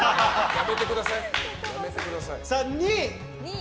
やめてください。